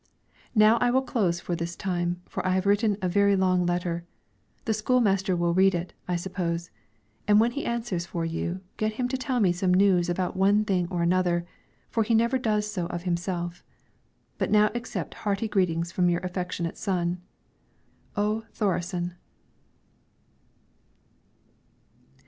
Now I will close for this time, for I have written a very long letter. The school master will read it, I suppose, and when he answers for you, get him to tell me some news about one thing or another, for he never does so of himself. But now accept hearty greetings from your affectionate son, O. THORESEN.